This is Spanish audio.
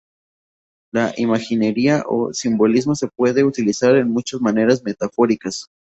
La imaginería o simbolismo se puede utilizar en muchas maneras metafóricas.